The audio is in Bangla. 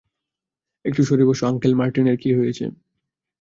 একটু সরে বসো - আঙ্কেল মার্টিনের কি হয়েছে?